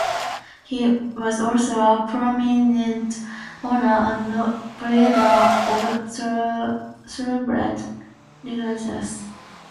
He was also a prominent owner and breeder of Thoroughbred racehorses.